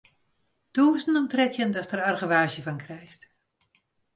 Tûzen om trettjin datst der argewaasje fan krijst.